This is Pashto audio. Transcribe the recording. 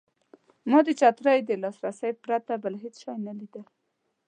ما د چترۍ د لاسۍ پرته بل هېڅ شی نه لیدل.